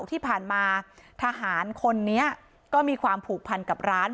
ที่ผ่านมาทหารคนนี้ก็มีความผูกพันกับร้าน